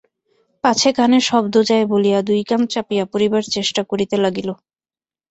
পাছে কানে শব্দ যায় বলিয়া দুই কান চাপিয়া পড়িবার চেষ্টা করিতে লাগিল।